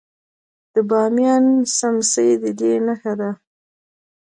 د بامیان سمڅې د دې نښه ده